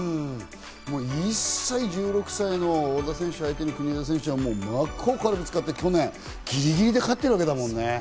一切、１６歳の小田選手相手に国枝選手は真っ向からぶつかって、去年ギリギリで勝ってるわけだもんね。